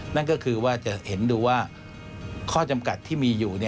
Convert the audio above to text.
นั่นก็คือว่าจะเห็นดูว่าข้อจำกัดที่มีอยู่